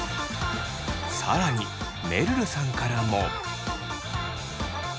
更にめるるさんからも。